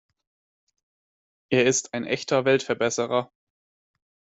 Er ist ein echter Weltverbesserer.